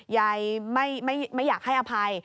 ยายไม่อยากให้อภัย